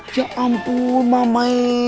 ya ampun mama